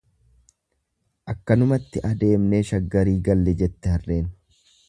Akkanumatti adeemnee shaggarii galle, jette harreen.